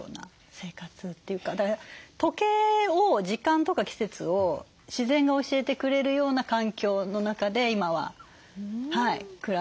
時計を時間とか季節を自然が教えてくれるような環境の中で今は暮らさせてもらってます。